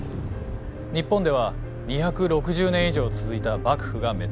日本では２６０年以上続いた幕府が滅亡。